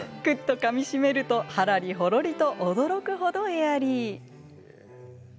くっとかみしめるとはらりほろりと驚くほどエアリー。